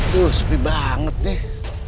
tuh sepi banget nih